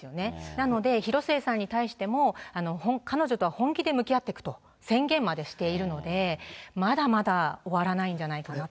なので、広末さんに対しても、彼女とは本気で向き合っていくと、宣言までしているので、まだまだ終わらないんじゃないかなと。